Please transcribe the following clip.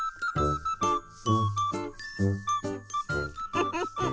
フフフフ。